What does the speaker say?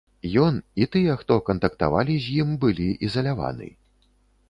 Ён і тыя, хто кантактавалі з ім, былі ізаляваны.